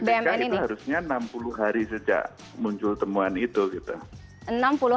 ya kalau lhb ppk itu harusnya enam puluh hari sejak muncul temuan itu gitu